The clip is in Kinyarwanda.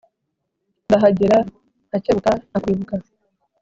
ndahagera nkacyebuka nka kwibuka